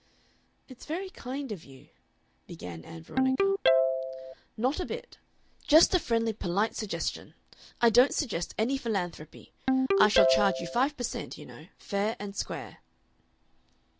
"It's very kind of you " began Ann Veronica. "Not a bit. Just a friendly polite suggestion. I don't suggest any philanthropy. I shall charge you five per cent., you know, fair and square."